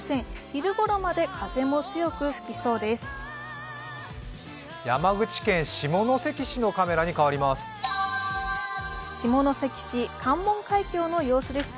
昼ごろまで、風も強く吹きそうです